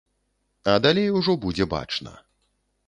А далей ужо будзе бачна.